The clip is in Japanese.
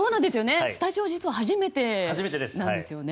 スタジオ実は初めてなんですよね。